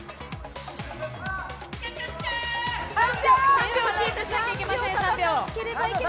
３秒キープしなければいけません。